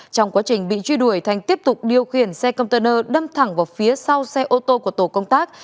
trong quá trình bị truy đuổi thành tiếp tục điều khiển xe container đâm thẳng vào phía sau xe ô tô của tổ công tác